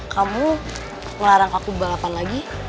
kamu ngelarang aku balapan lagi